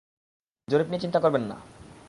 জরিপ নিয়ে চিন্তা করবেন না।